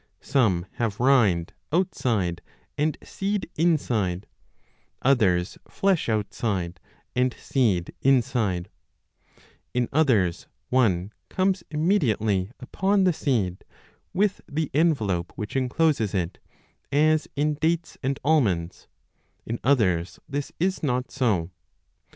Some have rind outside and seed inside, others flesh outside and seed inside ; in others one comes immediately upon the seed 82o b with the envelope which encloses it, as in dates and almonds ; in others this is not so.